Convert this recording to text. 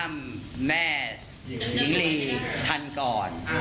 ไม่เปลี่ยน